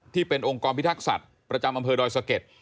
ที่เป็นองค์กรพิทักษัตริย์ประจำอำเภอดอยสะเก็ด